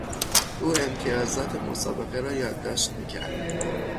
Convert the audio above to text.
او امتیازات مسابقه را یادداشت میکرد.